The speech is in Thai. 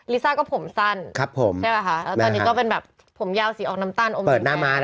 ลิซ่าก็ผมสั้นใช่ป่ะค่ะแล้วตอนนี้ก็เป็นแบบผมเยาว์สีออกน้ำต้านโอมสิงแกน